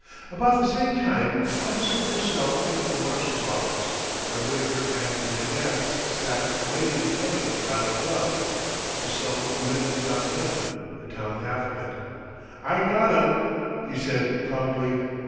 About the same time, Officer Purcell entered the Marshal's office, where Wittaker and Billy Getz sat awaiting the coming of Philo Gubb. Purcell led John Gutman, the town half wit. "I got him," he said proudly.